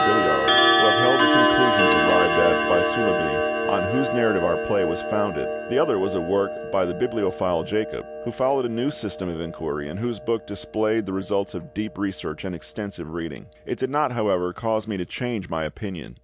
Billiard, who upheld the conclusions arrived at by Soulavie, on whose narrative our play was founded; the other was a work by the bibliophile Jacob, who followed a new system of inquiry, and whose book displayed the results of deep research and extensive reading. It did not, however, cause me to change my opinion.